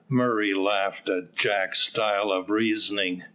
Murray laughed at Jack's style of reasoning.